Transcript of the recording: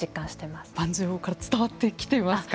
盤上から伝わってきていますか。